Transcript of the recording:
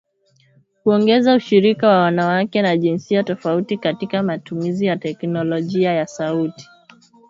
Kuongeza ushirika wa wanawake na jinsia tofauti katika matumizi ya teknolojia ya sauti.